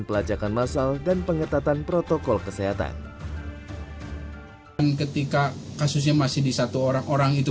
pelacakan masal dan pengetatan protokol kesehatan ketika kasusnya masih di satu orang orang itu